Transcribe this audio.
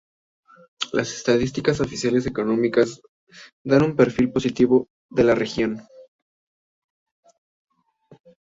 Las estadísticas oficiales económicas dan un perfil positivo de la región.